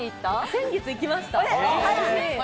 先月、行きました。